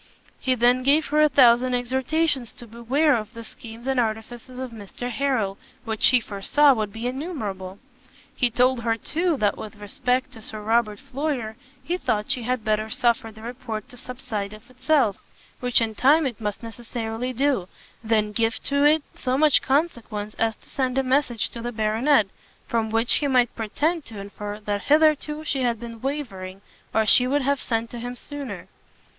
He then gave her a thousand exhortations to beware of the schemes and artifices of Mr Harrel, which he foresaw would be innumerable. He told her, too, that with respect to Sir Robert Floyer, he thought she had better suffer the report to subside of itself, which in time it must necessarily do, than give to it so much consequence as to send a message to the Baronet, from which he might pretend to infer that hitherto she had been wavering, or she would have sent to him sooner.